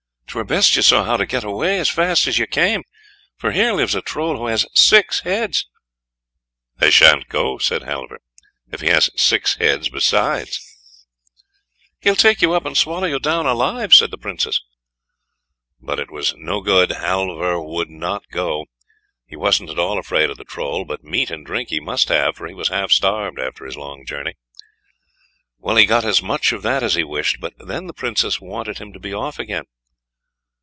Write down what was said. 'Twere best you saw how to get away as fast as you came; for here lives a Troll who has six heads." "I shan't go," said Halvor, "if he has six heads besides." "He'll take you up and swallow you down alive," said the Princess. But it was no good, Halvor wouldn't go; he wasn't at all afraid of the Troll, but meat and drink he must have, for he was half starved after his long journey. Well, he got as much of that as he wished, but then the Princess wanted him to be off again.